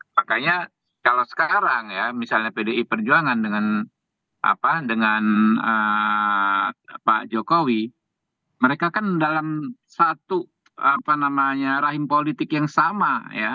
makanya kalau sekarang ya misalnya pdi perjuangan dengan pak jokowi mereka kan dalam satu rahim politik yang sama ya